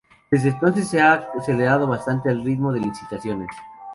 Desde entonces se ha acelerado bastante el ritmo de licitaciones.